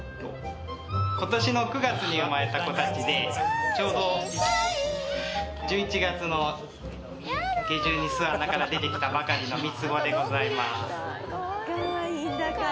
今年の９月に生まれた子たちでちょうど１１月の下旬に巣穴から出てきたばかりの三つ子でございます